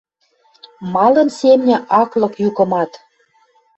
Малын семня ак лык юкымат?